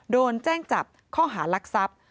โดนแจ้งจับข้อหารักทรัพย์